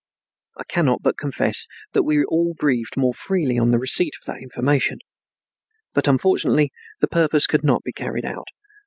I cannot but confess that we all breathed more freely on the receipt of that information, but unfortunately the purpose could not be carried out.